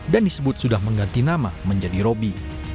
dan disebut sudah mengganti nama menjadi robby